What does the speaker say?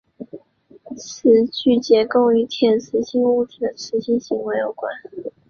磁矩结构与铁磁性物质的磁性行为有关。